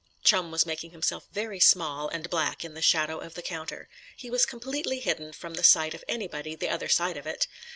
Chum was making himself very small and black in the shadow of the counter. He was completely hidden from the sight of anybody the other side of it.